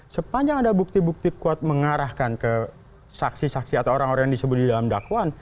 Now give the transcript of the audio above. sepanjang ada bukti bukti kuat mengarahkan ke saksi saksi atau orang orang yang disebut di dalam dakwaan